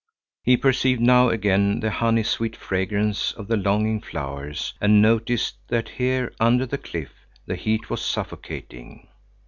He perceived now again the honey sweet fragrance of the longing flowers and noticed that here under the cliff the heat was suffocating.